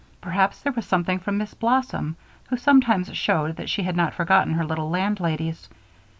Perhaps there was something from Miss Blossom, who sometimes showed that she had not forgotten her little landladies.